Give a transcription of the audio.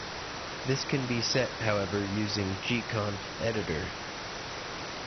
This can be set however using gconf-editor.